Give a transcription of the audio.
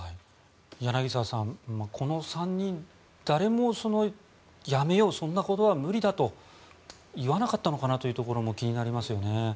柳澤さん、この３人誰もやめようそんなことは無理だと言わなかったのかなというところも気になりますよね。